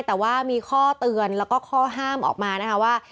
แต่ว่ามีข้อเตือนแล้วก็ข้อห้ามออกมานะคะว่า